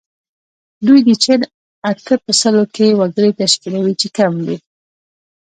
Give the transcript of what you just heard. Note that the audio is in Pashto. دوی د چین اته په سلو کې وګړي تشکیلوي چې کم دي.